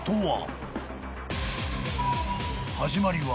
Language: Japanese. ［始まりは］